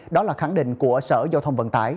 đó là khẳng định của sở giao thông vận tải